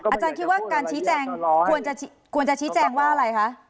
อาจารย์คิดว่าการชี้แจงควรจะชี้แจงว่าอะไรคะ